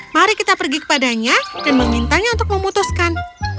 mari kita pergi kepadanya dan memintanya untuk memutuskan